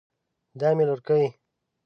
دا مې لورکۍ